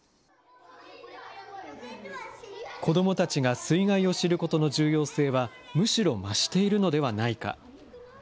子どもたちが水害を知ることの重要性はむしろ増しているのではないか。